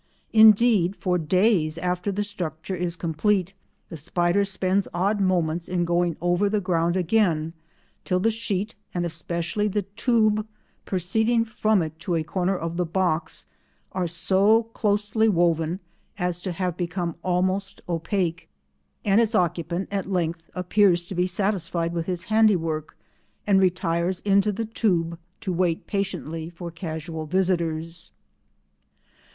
Indeed for days after the structure is complete the spider spends odd moments in going over the ground again till the sheet, and especially the tube proceeding from it to a corner of the box, are so closely woven as to have become almost opaque, and its occupant at length appears to be satisfied with his handiwork, and retires into the tube to wait patiently for casual visitors.